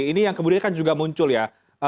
ini yang kemudian kan juga muncul ya